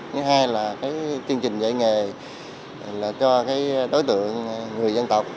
thứ hai là chương trình dạy nghề cho đối tượng người dân tộc